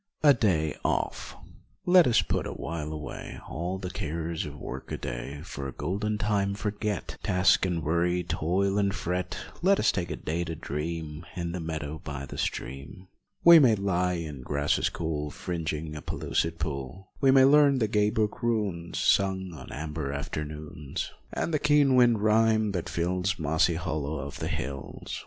50 A DAY OFF Let us put awhile away All the cares of work a day, For a golden time forget, Task and worry, toil and fret, Let us take a day to dream In the meadow by the stream. We may lie in grasses cool Fringing a pellucid pool, We may learn the gay brook runes Sung on amber afternoons, And the keen wind rhyme that fills Mossy hollows of the hills.